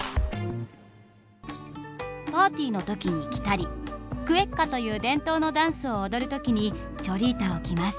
パーティーのときに着たりクエッカという伝統のダンスを踊るときにチョリータを着ます。